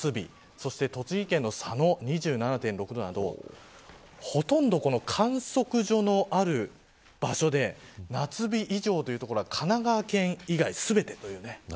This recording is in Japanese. そして栃木県の佐野２７．６度などほとんど観測所のある場所で夏日以上という所が神奈川県以外、全てというね。